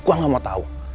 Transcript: gue nggak mau tahu